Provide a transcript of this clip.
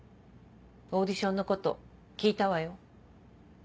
オーディションのこと聞いたわよ。